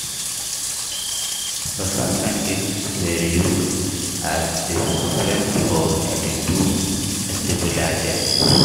The Sun and Earth were used as references for attitude stabilization.